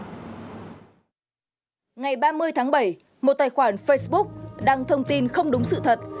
ngày ba mươi tháng bảy một tài khoản facebook đăng thông tin không đúng sự thật